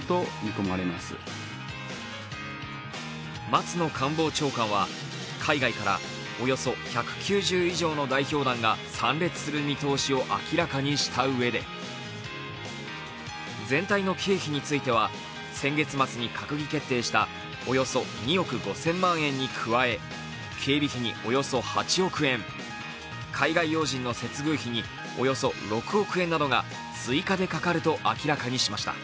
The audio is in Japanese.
松野官房長官は海外からおよそ１９０以上の代表団が参列する見通しを明らかにしたうえで、全体の経費については、先月末に閣議決定したおよそ２億５０００万円に加え、警備費におよそ８億円、海外要人の接遇費におよそ６億円などが追加でかかると明らかにしました。